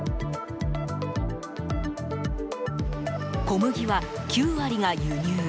小麦は、９割が輸入。